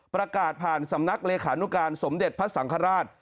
ประกาศผ่านสำนักเลขานุการสมเด็จพระสังฆราช